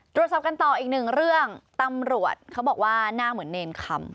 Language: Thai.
ตรวจสอบกันต่ออีกหนึ่งเรื่องตำรวจเขาบอกว่าหน้าเหมือนเนรคำ